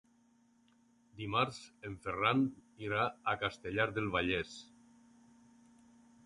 Dimarts en Ferran irà a Castellar del Vallès.